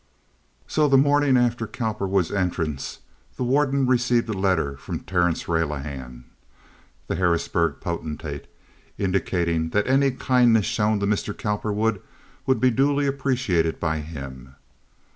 So the morning after Cowperwood's entrance the warden received a letter from Terrence Relihan, the Harrisburg potentate, indicating that any kindness shown to Mr. Cowperwood would be duly appreciated by him.